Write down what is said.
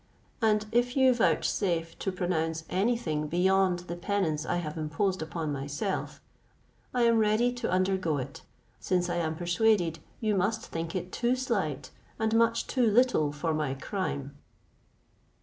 And if you vouchsafe to pronounce any thing beyond the penance I have imposed upon myself, I am ready to undergo it, since I am persuaded you must think it too slight and much too little for my crime."